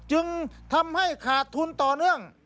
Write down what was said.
จึงทำให้ขาดทุนต่อเนื่อง